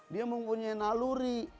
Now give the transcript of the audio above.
dia mempunyai naluri